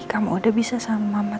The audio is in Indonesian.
kamu udah bisa sama mama